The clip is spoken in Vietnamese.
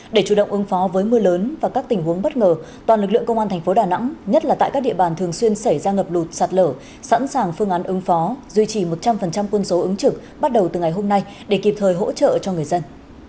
để chủ động ứng phó với mưa lớn và các tình huống bất ngờ toàn lực lượng công an thành phố đà nẵng nhất là tại các địa bàn thường xuyên xảy ra ngập lụt sạt lở sẵn sàng phương án ứng phó duy trì một trăm linh quân số ứng trực bắt đầu từ ngày hôm nay để kịp thời hỗ trợ cho người dân